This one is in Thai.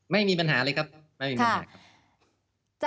ไม่มีปัญหาเลยครับไม่มีปัญหาครับ